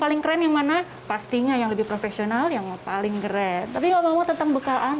paling keren yang mana pastinya yang lebih profesional yang paling great tapi obat tentang